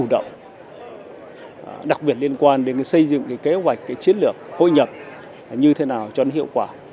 đặc biệt liên quan đến xây dựng cái kế hoạch chiến lược hội nhập như thế nào cho nó hiệu quả